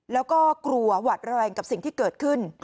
แล้วก็กลัวหวัดระแวงกับสิ่งที่เกิดขึ้น